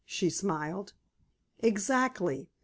she smiled. "Exactly.